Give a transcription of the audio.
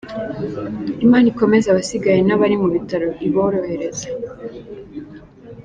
Imana ikomeze abasigaye nabari mubitaro iborohereze.